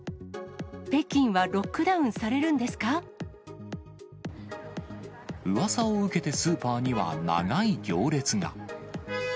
北京はロックダウンされるんうわさを受けてスーパーには、長い行列が。